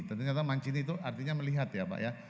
ternyata mancini itu artinya melihat ya pak ya